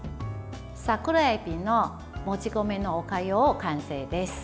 桜えびのもち米のおかゆ完成です。